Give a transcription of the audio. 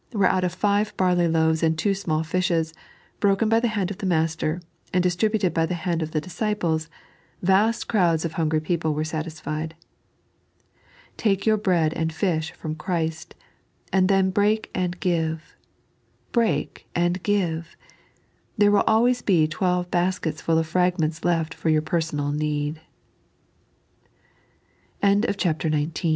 where out of five barley loavee and two small fishes, broken by the hand of the Master, and distributed by the hand of the disciples, vast crowds of hungry people were satisfied. Take your bread and fish from Christ, and then break and give — breai: amd give / There will always be twelve baskets full of fragments left f